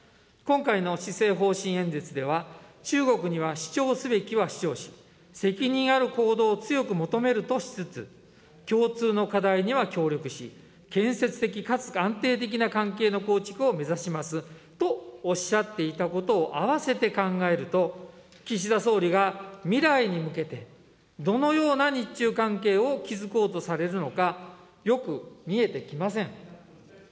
今回の施政方針演説では、中国には主張すべきは主張し、責任ある行動を強く求めるとしつつ、共通の課題には協力し、建設的かつ安定的な関係の構築を目指しますとおっしゃっていたことを併せて考えると、岸田総理が未来に向けてどのような日中関係を築こうとされるのか、よく見えてきません。